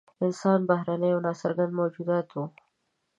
انسانان بهرني او نا څرګند موجودات وو.